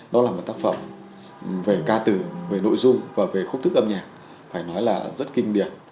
nó là một tác phẩm về ca từ về nội dung và về khúc thức âm nhạc phải nói là rất kinh điển